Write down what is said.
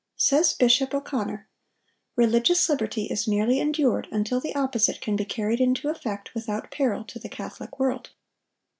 Says Bishop O'Connor: 'Religious liberty is merely endured until the opposite can be carried into effect without peril to the Catholic world.